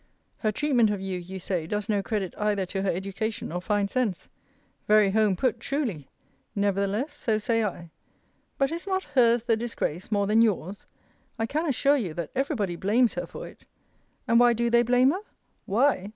Her treatment of you, you say, does no credit either to her education or fine sense. Very home put, truly! Nevertheless, so say I. But is not hers the disgrace, more than yours? I can assure you, that every body blames her for it. And why do they blame her? Why?